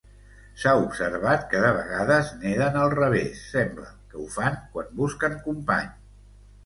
S'ha observat que de vegades neden al revés; sembla que ho fan quan busquen company.